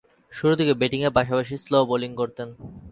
শুরুরদিকে ব্যাটিংয়ের পাশাপাশি slow bowling করতেন।